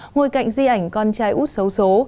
ngồi cạnh di ảnh con trai út xấu xố